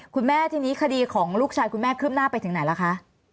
คุณแม่ทีนี้คดีของลูกชายคุณแม่ขึ้นหน้าไปถึงไหนล่ะคะ